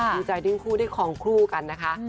ดีใจที่ทั้งคู่ได้คลองคู่กันนะคะ